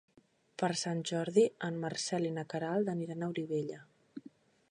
Per Sant Jordi en Marcel i na Queralt aniran a Olivella.